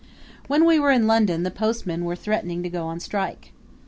When we were in London the postmen were threatening to go on strike.